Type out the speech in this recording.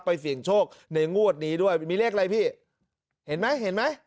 เสี่ยงโชคในงวดนี้ด้วยมีเลขอะไรพี่เห็นไหมเห็นไหม